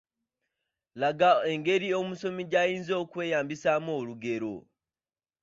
Laga engeri omusomi gy’ayinza okweyambisaamu olugero.